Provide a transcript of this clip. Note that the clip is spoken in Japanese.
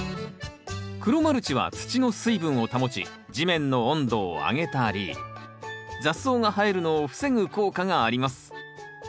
黒マルチは土の水分を保ち地面の温度を上げたり雑草が生えるのを防ぐ効果があります。